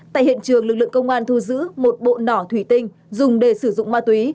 tại hiện trường lực lượng công an thu giữ một bộ nỏ thủy tinh dùng để sử dụng ma túy